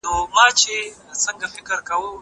ليکنه د زده کوونکي له خوا کيږي!